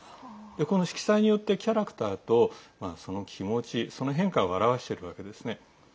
この色彩によってキャラクターと、その気持ちその変化を表してるわけですね。